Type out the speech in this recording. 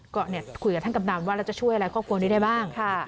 ก็คุยกับท่านกำนันว่าเราจะช่วยอะไรครอบครัวนี้ได้บ้าง